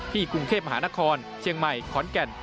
กรุงเทพมหานครเชียงใหม่ขอนแก่น